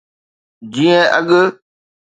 جيئن اڳ.